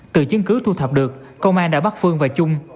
từ chứng cứ thu thập được công an đã bắt phương và chung